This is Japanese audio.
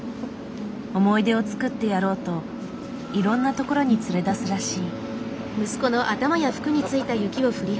思い出を作ってやろうといろんな所に連れ出すらしい。